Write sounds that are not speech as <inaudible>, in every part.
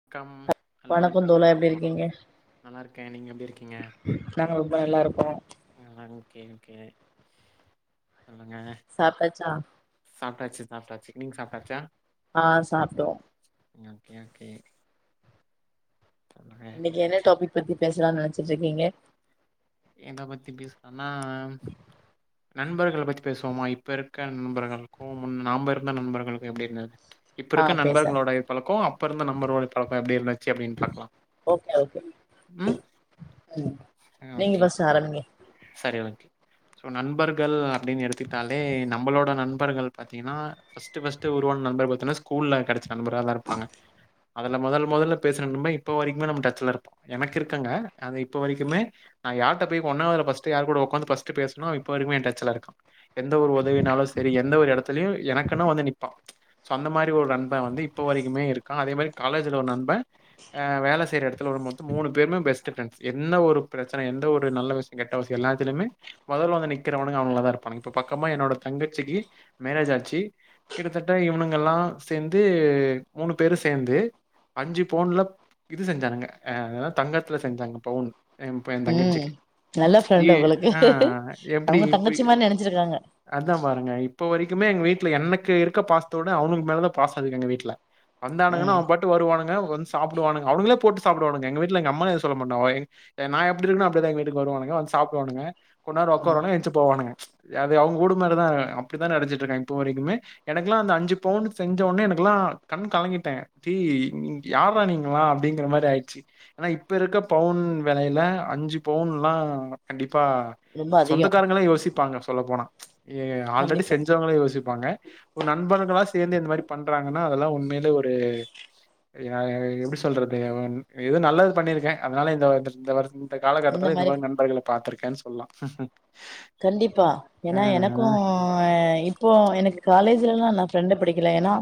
வணக்கம் ஹலோ வணக்கம் தோழா எப்டி வணக்க இருக்கீங்க வணக்கம் நல்லா இருக்க நீங்க எப்டி இருக்கீங்க நாங்க ரொம்ப நல்லா இருக்கோ இல்லா ஓகே ஓகே சொல்லுங்க சாப்டாச்சா சாப்ட்டாச்சு சாப்ட்டாச்சு நீங்க சாப்ட்டாச்சா ஆ சாப்டோ ஓகே ஓகே சொல்லுங்க. இன்னிக்கி என்ன டாபிக் பத்தி பேசலாம்னு நனச்சிட்டு இருக்கீங்க எத பத்தி பேசனுனா நண்பர்கள் பத்தி பேசுவோமா இப்ப இருக்க நண்பர்களுக்கும் முன் நாம்ப இருந்த நண்பர்களுக்கும் எப்டி இருந்தது இப்ப ஆ இருக்க பேச நண்பர்களோடைய பழக்கோ அப்ப இருந்த நண்பர்களுடைய பழக்கோ எப்டி இருந்து ச்சினு அப்டின்னு பாக்கலா ஓகே ஓகே ம் ம் ம் நீங்க ஃபர்ஸ்ட் ஆரம்பிங்க சரி ஓகே ஸோ நண்பர்கள் அப்டின்னு எடுத்துக்கிட்டாலே நம்பளோட நண்பர்கள் பாத்தீங்கன்னா ஃபர்ஸ்ட் ஃபர்ஸ்ட் உருவான நண்பர்கள் பாத்தோம்னா ஸ்கூல்ல கிடைச்ச நண்பர்களா தா இருப்பாங்க அதுல முதல் முதல்ல பேசுண நண்பர் இப்ப வரைக்குமே நம்ம டச்ல இருக் எனக்கு இருக்காங்க அது இப்ப வரைக்குமே நா யாரிட்ட போயி ஒன்னாவது ஃபர்ஸ்ட் யார் கூட உக்காந்து ஃபர்ஸ்ட் பேசுனோ இப்போ வரைக்குமே எய டச்ல இருக்கா எந்த ஒரு உதவினாலு சரி எந்த ஒரு இடத்துலயு எனக்குனா வந்து நிப்பா சோ அந்த மாரி ஒரு நண்ப வந்து இப்போ வரைக்குமே இருக்கா அதே மாரி காலேஜ்ல ஒரு நண்ப வேலை செய்யற இடத்துல வரும்போது மூணு பேருமே பெஸ்ட் ஃபிரண்ட்ஸ் என்ன ஒரு பிரச்சன எந்த ஒரு நல்ல விஷய எல்லாத்திலயுமே மொதல்ல வந்து நிக்கிறவனுங்க அவுனுங்கலா தா இருப்பானுங்க இப்ப பக்கமா என்னோட தங்கச்சிக்கு மேரேஜ் ஆச்சு கிட்டத்தட்ட இவுனுங்கலா சேர்ந்து மூணு பேரு சேர்ந்து அஞ்சு பவுன்ல இது செஞ்சானுங்க தங்கத்துல செஞ்சாங்க பவுன் எய ம் தங்கச்சிக்கு நல்ல இ ஃப்ரெண்டு உங்களுக்கு ஆ எப்டி அவங்க இப்டி தங்கச்சி மாரி நெனைச்சிருக்காங்க அதா பாருங்க இப்ப வரைக்குமே எங்க வீட்ல எனக்கு இருக்க பாசத்த விட அவுனுங்க மேல தா பாசோதா அதிகோ எங்க வீட்ல வந்தானுங்கனா ம் அவ பாட்டுக்கு வருவானுங்க வந்து சாப்டுவானுங்க அவுனுங்களே போட்டு சாப்டுவானுங்க எங்க வீட்ல எங்க அம்மாலா எதுவு சொல்ல மாட்டாங்க நா எப்டி இருக்கனோ அப்டிதா எங்க வீட்டுக்கு வருவானுங்க வந்து சாப்டுவானுங்க கொஞ்ச நேரோ ம் உக்காருவானுங்க என்ச்சு போவானுங்க அது அவுங்க வூடு மாரி தா அப்டிதா நனச்சிட்டு இருக்காங்க இப்ப வரைக்குமே எனக்கெல்லா அந்த அஞ்சு பவுன் செஞ்ச உடனே எனக்கெல்லா கண் கலங்கிட்ட டேய் யார்ரா நீங்களா அப்டிங்குற மாரி ஆயிடுச்சு ஆனா இப்ப இருக்க பவுன் விலையில அஞ்சு ப வுன்லா கண்டிப்பா ரொம்ப அதிகோ சொந்தக்காரங்களே யோசிப்பாங்க சொல்ல போனா ஆல்ரெடி கண்டிப்பா செஞ்சவங்களே யோசிப்பாங்க நண்பர்களா சேந்து இந்த மாரி பண்றாங்கனா அதெல்லா உண்மையிலே ஒரு எப்டி சொல்றது ஏதோ நல்லது பண்ணிருக்க அதனால இந்த கால இந்த மாரி நண்பர்கள பாத்திருக்கனு சொல்லா கண்டிப்பா ஏனா எனக்கூ இப்போ எனக்கு காலேஜ்லலா நா ஃப்ரெண்ட் புடிக்கல ஏனா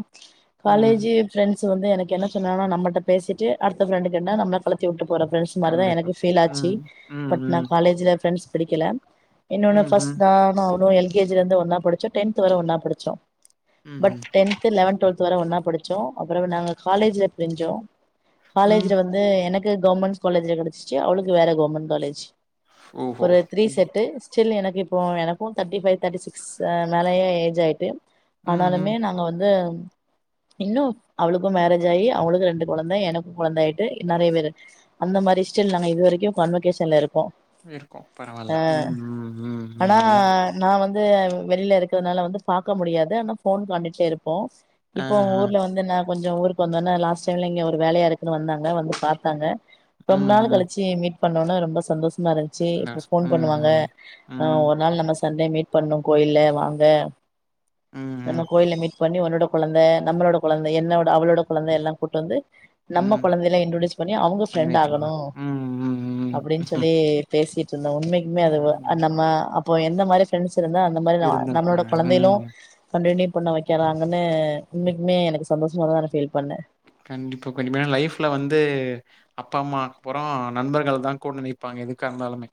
ம். காலேஜி ப்ரெண்ட்ஸ் வந்து எனக்கு என்ன சொன்னாங்கனா நம்மட்ட பேசிட்டு அடுத்த ரெண்டு கேனா நம்மல கொழுத்தி விட்டு போற ஃப்ரெண்ட்ஸ் மாரி தா கண்டிப்பா. எனக்கு ஃபீல் ஆச்சு ம். ம், பட் ம். நா காலேஜ்ல ஃபிரெண்ட்ஸ் புடிக்கல இன்னொன்னு ம்ஹ்ம். ஃபர்ஸ்ட் நானு அவனு எல்கேஜில இருந்து ஒன்னா படிச்சோ டென்த் வர ஒன்னா படிச்சோ பட் ம்ஹ்ம். டென்த் லெவன்த் டுவெல்த் வர ஒன்னா படிச்சோ அப்றோ நாங்க காலேஜ்ல பிரிஞ்சோ ம். காலேஜ்ல வந்து எனக்கு கவுர்மெண்ட்ஸ் காலேஜ்ல கெடச்சிச்சு அவுளுக்கு வேற கவுர்மெண்ட் காலேஜ் ஓஹோ! ஒரு த்ரீ ம். செட்டு ஷில் எனக்கு இப்போ எனக்கு தேர்ட்டி ஃபைவ் தேர்ட்டி சிக்ஸ் மேலயே ஏஜ் ஆயிட்டு ம்ஹ்ம். ஆனாலுமே நாங்க வந்து இன்னு அவுளுக்கும் மேரேஜ் ஆயி அவுளுக்கு ரெண்டு கொழந்த எனக்கு கொழந்த ஆயிட்டு நெறைய பேரு அந்த மாரி ஸ்டில் நாங்க இது வரைக்கு கான்வொகேஷன்ல இருக்கோ இருக்கோ பரவால்ல ம் ம் ம் ஆனா ம் அதா நா வந்து வெள்ல இருக்குறதுனால வந்து பாக்க முடியாது ஆனா ஃபோன் பண்ணிட்டே இருப்போ இப்போ ஆஹ. உங்க ஊர்ல வந்து நா கொஞ்சோ ஊருக் வந்தோன்ன லாஸ்ட் டைம்ல இங்க ஒரு வேலையா இருக்குனு வந்தாங்க வந்து பாத்தாங்க ரொம்ப நாள் ம்ஹ்ம். கழிச்சு மீ பண்ணோனே ரொம்ப சந்தோசமா இரு சந்தோசம் ம் ம் ம் ம் ஒரு நாள் நம்ம சண்டே மீட் பண்ணு கோயில்ல வாங்க ம், ம், நம்ம ம். கோயில் மீட் பண்ணி உன்னோட கொழந்த நம்ளோட கொழந்த என்னோட அவளோட கொழந்த எல்லா கூட்டு வந்து நம்ம ம். கொழந்தைல்லா இன்ட்டிடியூஸ் பண்ணி அவுங்க பண்ணி ஃப்ரெண்ட் ஆகணு வைக்கலாம் ம் ம் அப்டினு சொல்லி பேசிட்ருந்தோ உண்மைக்குமே அதுவ ம் நம்ம அப்போ எந்த மாரி ஃப்ரெண்ட்ஸ் இருந்தா அந்த மாரி ந நம்ளோட இருந்திருக்காங்க கொழந்தைளூ ம் கண்டினியூ பண்ண வைக்கறாங்கனு இன்னைக்குமே எனக்கு சந்தோஷமா தா நா ஃபீல் பண்ண கண்டிப்பா கொஞ்சமா ஏனா லைஃப்ல வந்து அப்பா அம்மாக்கப்றோ நண்பர்கள் தா கூட நிப்பாங்க எதுக்காருந்தாலுமே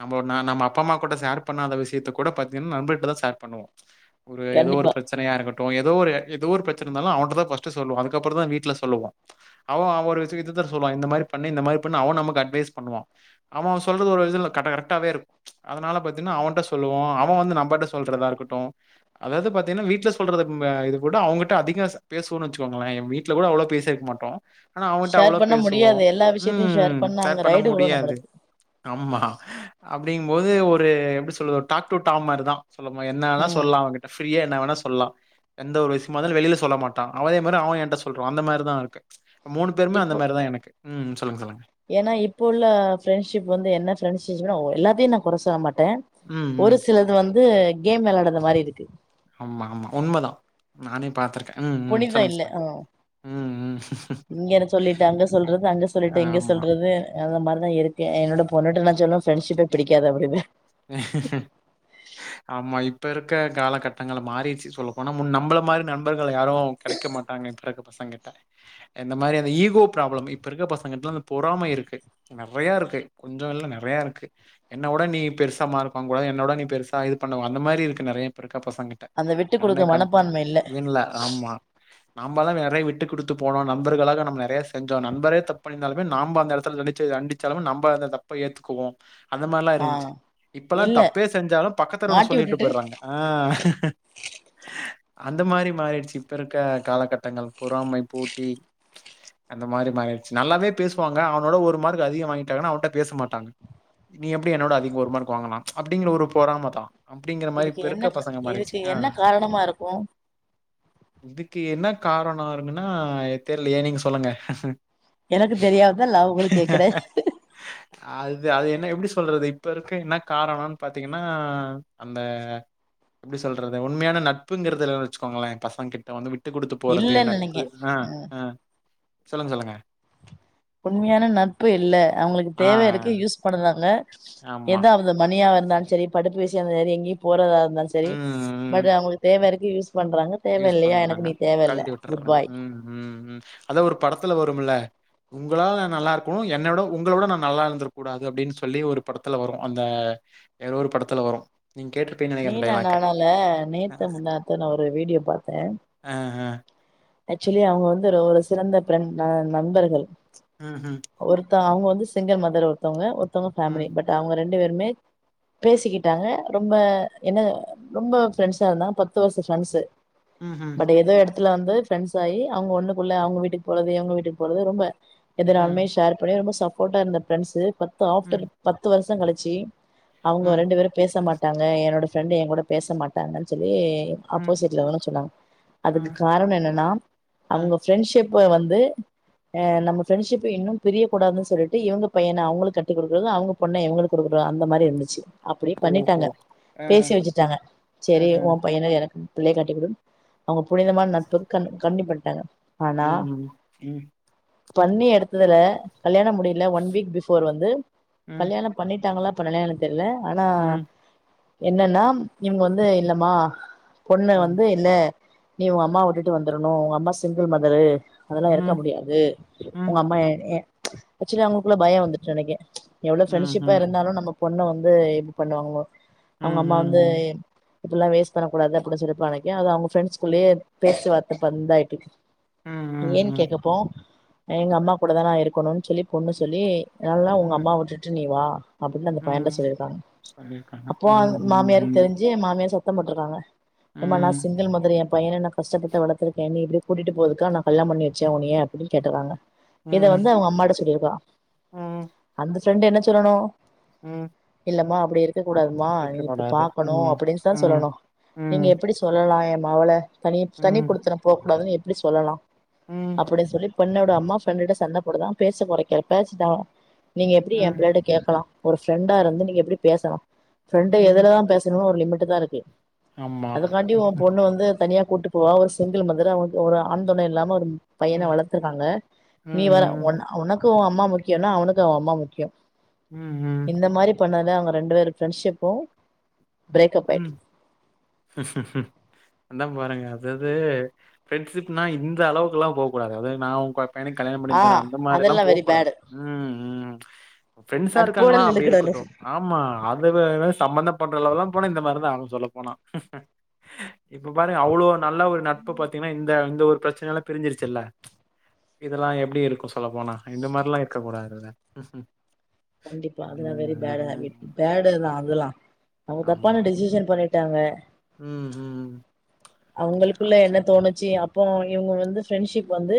நம்ம நம்ப அப்பா அம்மா கூட ஷேர் பண்ணாத விஷயத்த கூட பாத்தீங்னா நம்பர்ட்டதா ஷேர் பண்ணுவோ ஒரு ஏதோ ஒரு கண்டிப்பா பிரச்சனையாருக்கட்டு ஏதோ ஒரு ஏதோ ஒரு பிரச்சனைருந்தாலு அவன்ட்டதா ஃபர்ஸ்ட் சொல்லுவோ அதுக்கப் றோதா வீட் ல சொல்லுவோ அவ அவ ஒரு விஷயத்த சொல்லுவா இந்த மாரி பண்ணு இந்த மாரி பண்ணு அவ நமக்கு அட்வைஸ் பண்ணுவா அவ சொல்றது ஒரு விதத்ல கரெக்டாவே அதனால பாத்தீன்னா அவன்ட்ட சொல்லுவோ அவ வந்து நம்மட்ட சொல்றதாருக்கட்டு அதாவது பாத்தீங்கனா வீட்ல சொல்றது இது கூட அவுங்கிட்ட அதிக பேசுவோனு வச்சுக்கோங்ள வீட் ல கூட அவ்ளோ பேசிருக்க மாட்டோ ஆனா அவகிட்ட ஷேர் அவ்ளோ பண்ண பேசுவோ முடியாது எல்லா விஷயத்தையு ம் அங்க ஷேர் பண்ண ரைடு விழு முடியாது நம்மளுக்கு ஆமா அப்டிங்கம்போது ஒரு எப்டி சொல்றது டாக் டு டாம் மாரி தா சொல்லுமோ என்னாலா ம் சொல்லா அவகிட் ஃப்ரீயா என்ன வேணா சொல்லா எந்த ஒரு விஷயமா இருத்தாலு வெளில சொல்ல மாட்டா அவ அதே மாரி அவ என்ட்ட சொல்றோ அந்த மாரிதாருக்கு மூணு பேருமே அந்த மாரிதா எனக்கு ம் சொல்லுங்க சொல்லுங்க ஏனா இப்ப உள்ள ஃப்ரெண்ட்ஷிப் வந்து என்ன ஃப்ரெண்ட் ஷிப்னா எல்லாத்தையு நா கொற சொல்ல மாட்ட ம், ம். ஒரு சிலது வந்து கேம் விளாடுற மாரிருக்கு ஆமா ஆமா உண்மதா நானே பாத்துருக்க புனிதொ இல்ல ம் ம் ம் இங்கன சொல்லிட்டு அங்க சொல்றது அங்க சொல்லிட்டு இங்க ஆமா. சொல்றது அந்த மாரிதா இருக்கு என்னோட பொண்ணுட்ட நா சொல்லுவ ஃப்ரண்ட்ஷிப்பே பிடிக்காது அப்டிம்பே ஆமா இப்பருக்க காலகட்டங்ள் மாறிருச்சு சொல்ல போனா முன் நம்மள மாரி நண்பர்கள் யாரு கெடைக்க மாட்டாங்க இப்பருக்க பசங்க கிட்ட இந்த மாரி அந்த ஈகோ ப்ராப்ளம் இப்பருக்க பசங்க கிட்ட அந்த பொறாம இருக்கு நறையா இருக்கு கொஞ்சொ இல்ல நறையாருக்கு என்ன விட நீ பெருசு சமமாருக்க கூடது என்னோட நீ பெருசா இது பண்ணுவ அந்த மாரி இருக்கு நறைய இப்பருக்கபசங்க அந்த விட்டு கொடுக்க நானே காட்ட போர மனப்பான்மை இல்ல விண்ல ஆமா நம்ம தா நெறைய விட்டு குடுத்து போனோ நண்பர்களாக நெறையசெஞ்சோ நண்பரே தப்பண்ணிருந்தாலுமே நாம அந்த எடத்துல நினச்ச ச்சு தண்டிச்சாலுமே நம்ம அந்த தப்ப ஏத்துக்குவோ அந்த மாரிலா ஆ இருந்துச்சு இப்பெல்லா இல்ல தப்பே செஞ்சாலு பக்கத்தெருவுல மாட்டி சொல்லிட்டு விட்டுட்டு போயிருறாங்க ஆ அந்த மாரி மாறிருச்சு இப்பருக்க காலகட்டங்கள் பொறாமை போட்டி அந்த மாரி மாறியிருச்சு நல்லாவே பேசுவாங்க அவனோட ஒரு மார்க் அதிக வாங்கிட்டாங்கனா அவன்ட்ட பேச மாட்டாங்க நீ எப்டி என்னோட அதிகோ ஒரு மார்க்வாங்கலா ம்ச் அப்டிங்கற ஒரு பொறாம தா அப்டிங்கிற மாரி இதுக்கு என்ன இப்பிருக்க பசங்க இதுக்கு மாறிருச்சுங்க என்ன காரணமா இருக்கு இதுக்கு என்ன காரணொ இருக்குனா தெர்லயே நீங்க சொல்லுங்க எனக்கு தெரியாததே நா உங்கள கேக்குறே அது அது என்ன எப்டி சொல்றது இப்ப இரு க்கு என்ன காரணொனு பாத்தீங்கனா அந்த எப்டி சொல்றது உண்மையான நட்புங்கறதுல்ல வச்சுக்கோங்களே பசங்க கிட்ட ட வந்து விட்டு கொடுத்து போறது இல்லன்னு நட்பு நெனைக்கே ஆ ம் ஆ சொல்லுங்க சொல்லுங்க உண்மையான நட்பு இல்ல அவங்களுக்கு ஆ தேவ இருக்கு ஆ, யூஸ் பண்ணுறாங்க ஆமா ஏதா அது மணியாருந்தாலு சரி படிப்பு விசியோ வேர எங்கியு போறதாருந்தாலு சரி ம் பட் அவங்களுக்கு தேவ இருக்கு யூஸ் பண்றாங்க தேவ யூஸ் இல்லையா எனக்கு பண்றாங்க நீ தேவயில்ல கழட்டி குட் விட்டுர்றாங்க பாய் உம் உம் உம் அதா ஒரு படத்துல வரும் இல்ல உங்களால நா நல்லா இருக்கணு என்ன விட உங்கள விட நா நல்லா இருந்திரக் கூடாது அப்பிடின்னு சொல்லி ஒரு படத்துல வரு அந்த ஏதோ ஒரு படத்துல வரு நீங்க கேட்டுரு நீனா நானால நேத்தோ முந்தாநேத்தோ நா ஒரு வீடியோ பாத்தே ஆ ஆ ஆக்சுவலி அவங்க வந்து ஒரு சிறந்த பிரண் ந நண்பர்கள் ம் ம் ஒருத்த அவங்க வந்து சிங்கிள் மதர் ஒருத்தவங்க ஒருத்தவங்க ஃபேமிலி ம் பட் அவங்க ரெண்டு பேருமே பேசிக்கிட்டாங்க ரொம்ப என்ன ரொம்ப ஃபிரெண்ட்ஸா இருந்தாங்க பத்து வருஷோ ஃப்ரெண்ட்ஸு ம் பட் ஏதோ எடத்துல வந்து ஃபிரெண்ட்ஸ் ஆயி அவுங்க ஒண்ணுக்குள்ள அவுங்க வீட்டுக்குப் போறது இவங்க வீட்டுக்குப் போறது ரொம்ப எதுனாலுமே ம் ஷேர் அப்டியே ரொம்ப சப்போர்ட்டா இருந்த ஃபிரெண்ட்ஸு பத்து ஆஃப்டர் ம் பத்து வருஷோ கழிச்சு அவுங்க ம் ரெண்டு பேரு பேச மாட்டாங்க என்னோட ஃபிரெண்ட் எ கூட பேச மாட் ட்டாங்கன்னு சொல்லி ம் ஆப்போசிட்ல இவனு சொன்னாங்க அதுக்கு ம் காரணோ என்ன அ அவங்க ஃபிரெண்ட்ஷிப்ப வந்து ஆ நம்ம ஃப்ரெண்டஷிப்பு இன்னு பிரியக் கூடாதுன்னு சொல்லிட்டு இவங்க பையன அவங்களுக்கு கட்டி குடுக்கறது அவங்க பொண்ண இவங்களுக்கு குடுக்கறது அந்த மாரி இருந்துச்சி அப்பிடியே ஓஹோ பண்ணிட்டாங்க அ பேசி வெச்சுட்டாங்க செரி அஹ உ பையன எனக்கு புள்ளைய கட்டிக்குடு அவுங்க புனிதமான நட்பு கன் கன்ட்டின்யூ பண்ணிட்டாங்க உம் உம் உம் உம் பண்ணி எடுத்ததுல கல்யாணோ முடியல ஒன் வீக் பிஃபோர் வந்து ம் கல்யாணம் பண்ணிட்டாங்களா பண்ணலையான்னு எனக்கு தெரில ஆனா ம் என்னன்னா இவங்க வந்து இல்லம்மா பொண்ணு ம் வந்து இல்ல நீ ஒ அம்மா உட்டுட் டுட்டு வந்துரணு உங்க அம்மா சிங்கிள் மதரு அதெல்லா இருக்க ம் முடியா து ம் உங்க அம்மா ஏ என்னிய ஆக்சுவலி அவங்களுக்குள்ள பயோ வந்துட்டு நினைக்ககே எவ்ளோ ஃப்ரெண்ட்ஷிப்பா ம்ஹும் இருந்தாலு நம்ம பொண்ண வந்து இப்பு பண்ணுவாங்களோ ம் ம் அவுங்க அம்மா வந் து ம் இப்டில்லா வேஸ்ட் பண்ணக்கூடாது அப்புடன் சொல்லிப் பழகி அது அவுங்க ஃபிரெண்ட்ஸ்குள்ளயே பேச்சு வார்த்த பந்தாயிட்டுருக்கு ம் ம் ஏன் ம் கேக்கப்போ எங்க அம்மா கூட தா நா இருக்கோனு சொல்லி பொண்ணு சொல்லி நாலா உங்க அம்மா ம் உட்டுட்டு நீ வா அப்பிடின்னு அந்த பையன்ட்ட ம் சொல்லியிருக்காங்க சொல்லிருக்காங்க அப்போ ம் அந் மாமியாருக்கு ம் தெரிஞ்சி மாமியா சத்தோம் போட்டுருக்காங்க ஏம்மா நா ம் சிங்கிள் மதர் பையன நா கஷ்டப்பட்ட வளத்துருக்க நீ இப்பிடி கூட்டிட்டு போறதுக்கா நா கல்யாணம் பண்ணி வச்ச ஒன்னிய அப்பிடின்னு கேட்டறாங்க ம் இத ம் வந்து அவங்க அம்மாட்ட சொல்லிருக்கா ம் அந்த ஃப்ரெண்ட் என்ன சொல்லணு ம் இல்லம்மா அப்பிடி இருக்க கூடாதும்மா நீ இப்பிடி இருக்கக்கூடாது பாக்கணு ம் அப்பிடின்னுதா ம் சொல்லணு நீங்க ம் ம் எப்பிடி சொல்லலா ஏ மவள தனி தனி ம் குடுத்தனோம் போ கூடாதுன்னு எப்பிடி சொல்லலா ம் அப்பிடின்னு சொல்லி பெண்ணோட அம்மா ஃப்ரெண்ட்டுட்ட சண்ட போடுதா பேச கொறைக்கிறப்ப பேச் தா நீங்க எப்டி என் பிள்ளேட்ட கேக்கலா ஒரு ஃப்ரெண்டா இருந்து நீங்க எப்டி பேசலா ஃப்ரெண்டு ம் எதுலதா பேசணு ஒரு லிமிட் தா இருக்கு ஆமா அதுக்காண்டி ஒ பொண்ணு வந்து தனியா கூட்டு போவா ஒரு சிங்கிள் மதரு அவனுக்கு ஒரு ஆண் தொண இல்லாம ஒரு ம் பையன ம் வளத்துருக்காங்க நீ வர ம் ஒ ஒனக்கு ஒ அம்மா முக்கியோன்னா அவனுக்கு அவ அம்மா முக்கியோ ம் ம் இந்த மாரி பண்ணதுல அவங்க ரெண்டு பேரு ஃப்ரெண்ட்ஷிப்பு பிரேக்கப் ஆயிட் ம் அந்தாம் பாருங்க அதாது ஃப்ரெண்ட்ஷிப்னா இந்த அளவுக்குல்லா போக் கூடாது அதாவது நா உ குவக் பையனுக் கல்யாணம் ஆ பண்ணித் தர அந்த மாரி எல்லா அதெல்லா போக வெரி கூடாது பேடு உம் உம் ஃபிரெண்ட்ஸா இருக்காங்களா நட்போடல் அப்டி இழுக்குடலு இருக்கட்டு ஆமா அதுவே சம்மந்த பண்ற அளவுல்லா போனா இந்த மாதிரிதா ஆகு சொல்லப் போனா இப்பப் பாருங்க அவ்ளோ நல்ல ஒரு நட்பு பாத்தீங்கன்னா இந்த இந்த ஒரு பிரச்சனனால பிரிஞ்சிருச்சில்ல இதெல்லா எப்டி இருக்கு சொல்ல போனா இந்த மாதிரி எல்லா இருக்க கூடாது ம் ம கண்டிப்பா அதெல்லா வெரி பேடு ஹேபிட் பேடு தா அதெல்லா அவங்க ஆமா. தப்பான டிசிஷன் பண்ணிட்டாங்க ம் உம் அவங்களுக்குள்ள என்ன தோணுச்சி அப்போ இவங்க வந்து ஃப்ரெண்ட்ஷிப் வந்து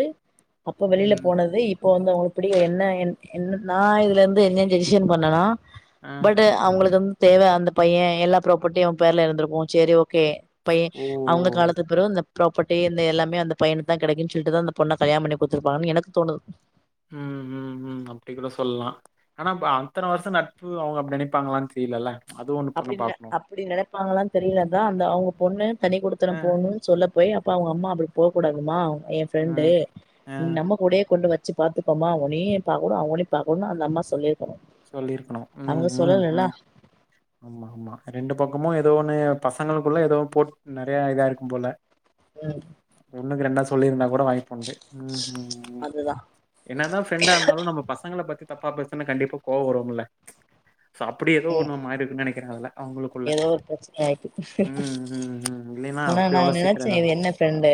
அப்போ வெளியில ம். போனது இப் இப்போ வந்து உங்ளுக்கு பிடி என்ன என் என் நா இதுல இருந்து என்ன டிசிஸன் பண்ணனா ஆ. பட் அவங்களுக்கு வந்து தேவ அந்த பைய எல்லா ப்ராப்பர்ட்டியு பேர்ல இருந்திருக்கு சேரி ஓகே பையே அவங்க ஓ. காலத்து பிறகு இந்த ப்ராப்பர்ட்டி இந்த எல்லாம அந்த பையனு தா கெடைக்குன்னு சொல்லிட்டு தா அந்த பொண்ண கல்யாம் பண்ணி குடுத்துருப்பாங்கன்னு எனக்கு தோணுது ம் உம் ம் அப்டி கூட சொல்லலா ஆனா அத்தன வருஷ நட்பு அவங்க அப்டி நெனைப்பாங்களான்னு தெரிலல்ல அப்டி ந அப்டி நனைப்பாங்களான்னு தெரியல தா அந்த அவங்க பொண்ணு தனி குடுத்தனம் அ, போணுன் சொல்ல போய் அப்ப அவங்க அம்மா அப்டி போ கூடாதுமா ஏ அ, ஃப்ரெண்டு அ நம்ம கூடே கொண்டு வச்சி பாத்துக்கோமா ஒன்னியு பாக்கனு அவளையு பாக்கனு அந்த அம்மா சொல்லி சொல்லிருக்கணு உம் உம் உம் மா ஆமா ரெண்டு பக்கமும் ஏதோ ஒன்னு பசங்களுக்குள்ள ஏதோ போட் நறைய இதா இருக்குபோல உம் ஒண்ணுக்கு ரெண்டா சொல்லிருந்தா கூட வாங்கி பாங்கே ம் ம் ம் அதுதா என்னதா ஃப்ரெண்டு இருந்தாலு நம்ம பசங்கள பத்து தப்ப பேசுனா கண்டிப்போ கோவவரும்முல சோ அப்டி ஏதோ ம் ஒன்னு மாரியிருக்குன்னு நெனைக்கிற அதுல அவங்களுக்குள்ள. ஏதோ ஒரு பிரச்சனை ஆயிக்கு ம், ம், ம். இல்லைன்னா ஆனா அப்படி நா அவ்வளோ சீக்கிரம் நெனைச்சே இது இதாகாது. என்ன ஃப்ரெண்டு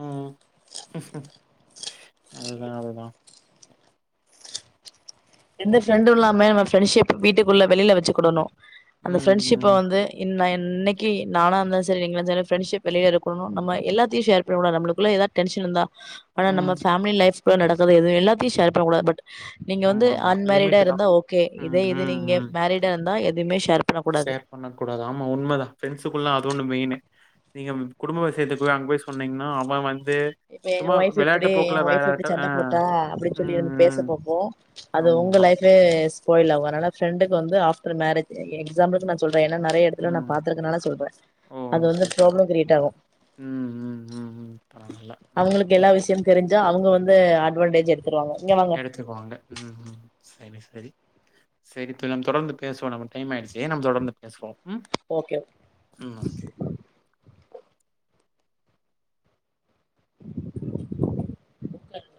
ம் அதுதா அதுதா எந்த ஃப்ரெண்டு இல்லாம நம்ம ஃப்ரெண்டஷிப் வீட்டுக்குள்ள வெளில வச்சுக்க கூடணுஅந்த ம், ஃப்ரெண்ட்ஷிப்ப ம், வந்து என்ன இன்னைக்கு நானா இருந்து சரிங்கள ச ஃப்ரெண்ஷிப் வெளியில இருக்கணு நம்ம எல்லாத்தையு ஷேர் பண்ண கூடாது நம்மளுக்குள்ள எதா டென்ஷன்ந்தா ஆனா நம்ம ம். பேமிலி லைஃப் கூட நடந்தது எதுவு எல்லாத்தையு ஷேர் பண்ணக்கூடாது பட் நீங்க வந்து ஆமா ஆமா அன்மேரிடா லிமிட் தான். இருந்தா ஓகே ம், இதே இது ம், நீங்க ம். மேரிடா இருந்தா எதுவுமே ஷேர் பண்ணக்கூடாது ஷேர் பண்ணக்க கூடாது ஆமா உண்மதா ப்ரரெண்ட்ஸுக்குல்லா அது ஒன்ன மெயினு நீங்க குடும்ப விசயத்துக்கு போய் அங்க போய் சொன்னீங்கன்னா அவ வந்து இப்ப எங்க சும்மா ஒய்ஃப் எப்படி விளையாட்டு எ போக்குல ஒய்ப் எப்படி விளையாட்டு சண்ட ஆ. போட்டா அப்படின்னு சொல்லி நம்ம பேச ம், ம். பப்போ அது ஆமா. உங்க லைஃப் வந்து ஸ்பாயில் ஆகு ப்ரெண்டுக்கு வந்து ஆஃப்டர் மேரேஜ் <unintelligible> நம்ளுக்கு நா சொல்றே ஏன்னா நெறைய எடத்துல நா ம். பாத்திருக்கனால சொல்றே ஓ! அது ஓகே, வந்து ஓகே, ஓகே. ப்ராளம் கிரியேட் ஆகு ம் ம் ம் ம் தெர்ல அவங்களுக்கு எல்லா விஷய தெரிஞ்சா அவங்க வந்து அட்வான்டேஜ் எடுத்துடுவாங்க இங்க வ ம் போங்க ம் ம் சரி சரி சரிதோழி நம் தொடர்ந்து பேசுவோ நம்ம டைம் ஆயிடுச்சு நம் தொடர்ந்து பேசுவோ ம் ஓகே ம் <inaudible>